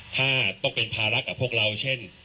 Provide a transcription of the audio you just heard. ถ้าต้องเป็นภาระกับพวกเราเช่น